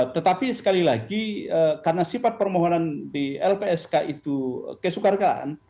tetapi sekali lagi karena sifat permohonan di lpsk itu kesukaran